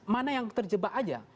mana yang terjebak aja